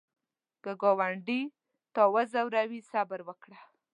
که ګاونډي تا وځوروي، صبر وکړه